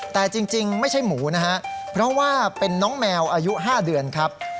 แต่จริงไม่ใช่หมูนะฮะเพราะว่าเป็นน้องแมวอายุ๕เดือนครับ